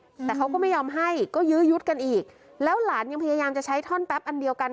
อืมแต่เขาก็ไม่ยอมให้ก็ยื้อยุดกันอีกแล้วหลานยังพยายามจะใช้ท่อนแป๊บอันเดียวกัน